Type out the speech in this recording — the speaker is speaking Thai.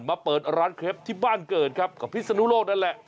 มาเปิดร้านเคล็ปที่บ้านเกิดครับกับพิศนุโลกนั่นแหละ